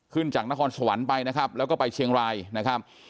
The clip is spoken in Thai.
จากนครสวรรค์ไปนะครับแล้วก็ไปเชียงรายนะครับ